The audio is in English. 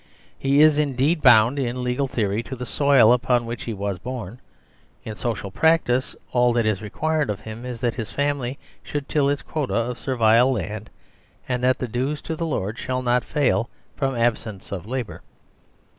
He is indeed bound in legal theory to the soil upon which he was born. In social practice, all that is re quired of him is that his family should till its quota of servile land, and that the dues to the lord shall not fail from absence of labour.